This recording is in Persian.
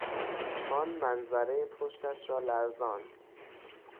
آن منظره پشتش را لرزاند.